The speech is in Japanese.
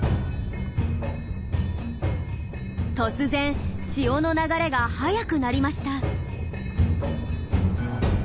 突然潮の流れが速くなりました。